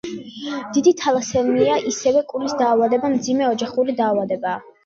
დიდი თალასემია, იგივე კულის დაავადება, მძიმე ოჯახური დაავადებაა.